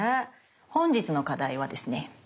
本日の課題はですね